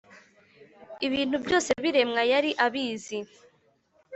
ibintu byose biremwa, yari abizi,